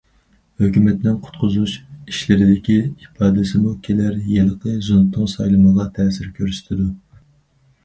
ھۆكۈمەتنىڭ قۇتقۇزۇش ئىشلىرىدىكى ئىپادىسىمۇ كېلەر يىلقى زۇڭتۇڭ سايلىمىغا تەسىر كۆرسىتىدۇ.